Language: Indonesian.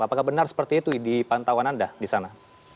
apakah benar seperti itu di pantauan anda di sana